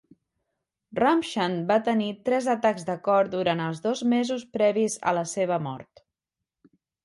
Ramchand va tenir tres atacs de cor durant els dos mesos previs a la seva mort.